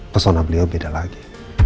persona beliau beda lagi